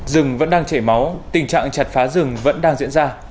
rừng vẫn đang chảy máu tình trạng chặt phá rừng vẫn đang diễn ra